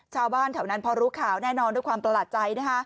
ชาวบ้านแถวนั้นพอรู้ข่าวแน่นอนด้วยความประหลาดใจนะคะ